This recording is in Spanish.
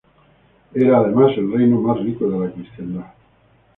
Era, además, el reino más rico de la Cristiandad.